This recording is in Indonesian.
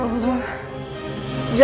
haruskan aku bilang ke nino